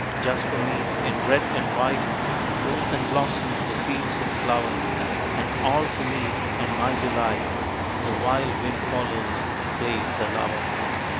Just for me, in red and white, Bloom and blossom the fields of clover; And all for me and my delight The wild Wind follows and plays the lover.